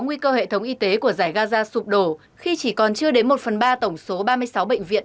nguy cơ hệ thống y tế của giải gaza sụp đổ khi chỉ còn chưa đến một phần ba tổng số ba mươi sáu bệnh viện